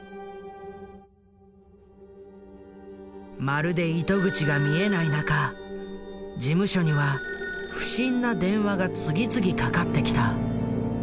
まるで糸口が見えない中事務所には不審な電話が次々かかってきた。